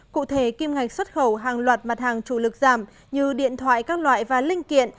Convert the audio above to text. cụ thể kim ngạch xuất khẩu hàng loạt mặt hàng chủ lực giảm như điện thoại các loại và linh kiện